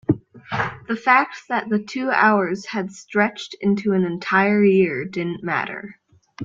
the fact that the two hours had stretched into an entire year didn't matter.